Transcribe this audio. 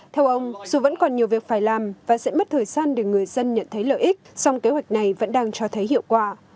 theo ông dù vẫn còn nhiều việc phải làm và sẽ mất thời gian để người dân nhận thấy lợi ích song kế hoạch này vẫn đang cho thấy hiệu quả